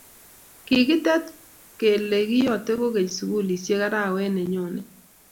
kikitet kele kiyote kukeny sukulisiek arawe ne nyone